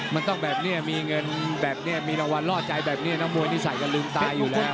มันต้องแบบเนี้ยมีเงินแบบเนี้ยมีรางวัลล่อใจแบบเนี้ยน้องมวยนิสัยก็ลืมตายอยู่แล้ว